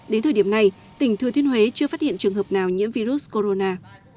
đến thời điểm này tỉnh thừa thiên huế chưa phát hiện trường hợp nào nhiễm virus corona